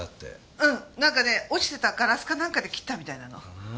うんなんかね落ちてたガラスかなんかで切ったみたいなの。